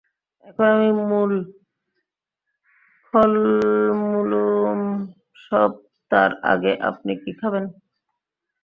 এখন আমি মূল খলমুলুমসব তার আগে আপনি কি খাবেন?